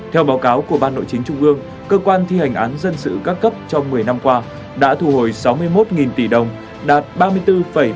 theo báo cáo của ban nội chính trung ương cơ quan thi hành án dân sự các cấp trong một mươi năm qua đã thu hồi sáu mươi một tỷ đồng đạt ba mươi bốn bảy mươi